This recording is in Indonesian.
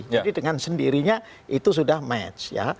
jadi dengan sendirinya itu sudah match